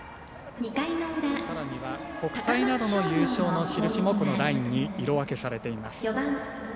さらには国体などの優勝のしるしもこのラインに色分けされています。